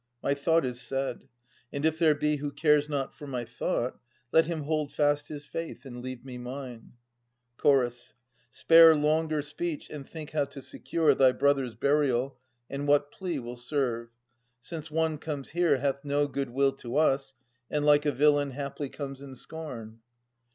My thought is said. And if there be who cares not for my thought. Let him hold fast his faith and leave me mine. Ch. Spare longer speech, and think how to secure Thy brother's burial, and what plea will serve; Since one comes here hath no good will to us And like a villain haply comes in scorn.